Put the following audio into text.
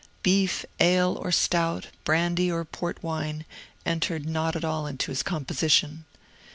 Beef, ale, or stout, brandy or port wine, entered not at all into his composition.